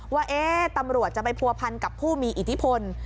ว่าตำรวจจะไปผัวพันกับผู้มีอิทธิพล